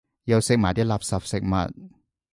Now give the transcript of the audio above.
又食埋啲垃圾食物